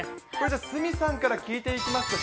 鷲見さんから聞いていきますか。